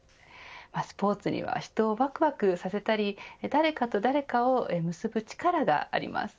スポーツには人をわくわくさせたり誰かと誰かを結ぶ力があります。